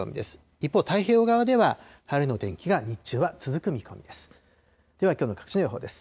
一方、太平洋側では晴れの天気が日中は続く見込みです。